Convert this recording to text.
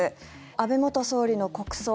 安倍元総理の国葬